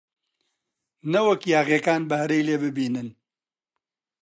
نەوەک یاغییەکان بەهرەی لێ ببینن!